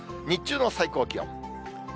日中の最高気温。